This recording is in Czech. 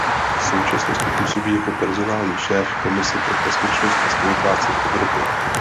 V současnosti působí jako personální šéf v Komisi pro bezpečnost a spolupráci v Evropě.